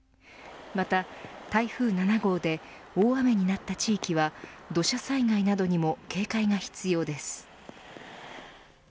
また台風７号で大雨になった地域は土砂災害などにも警戒が必要です。